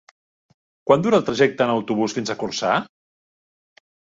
Quant dura el trajecte en autobús fins a Corçà?